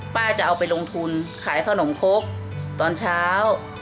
จะเอาไปลงทุนขายขนมคกตอนเช้า